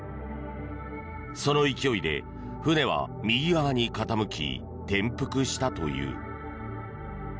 その勢いで船は右側に傾き転覆したという。